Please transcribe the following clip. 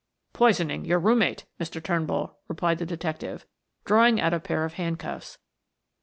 "Poisoning your room mate, Mr. Turnbull," replied the detective, drawing out a pair of handcuffs.